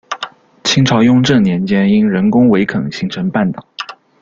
清朝雍正年间因人工围垦形成半岛。